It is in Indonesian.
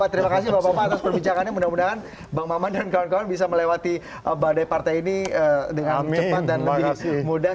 terima kasih bapak bapak atas perbincangannya mudah mudahan bang maman dan kawan kawan bisa melewati badai partai ini dengan cepat dan lebih mudah